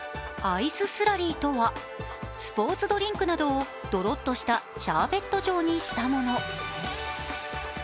アイススラリーとは、スポーツドリンクなどをどろっとしたシャーベット状にしたもの。